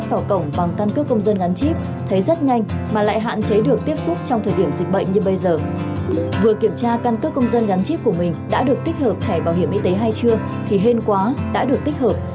vừa kiểm tra căn cước công dân gắn chip của mình đã được tích hợp thẻ bảo hiểm y tế hay chưa thì hên quá đã được tích hợp